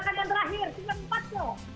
kanan dua kiri dua